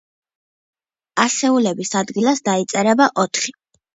ასეულების ადგილას დაიწერება ოთხი.